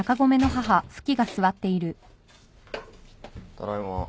ただいま。